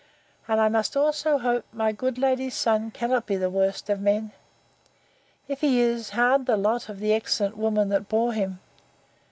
And I must also hope my good lady's son cannot be the worst of men!—If he is, hard the lot of the excellent woman that bore him!